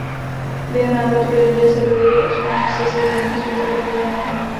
Během návratu do Indie se dověděl o svém sesazení z úřadu guvernéra.